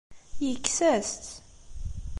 Yekkes-as-tt.